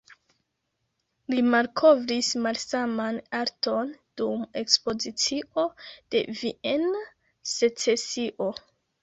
Li malkovris malsaman arton dum ekspozicio de Viena Secesio.